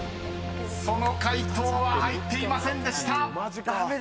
［その回答は入っていませんでした］